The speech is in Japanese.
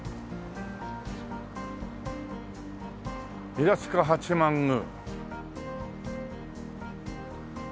「平塚八幡宮」